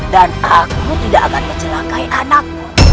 dan aku tidak akan mencelakai anakku